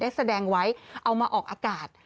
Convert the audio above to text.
แสดงไว้เอามาออกอากาศ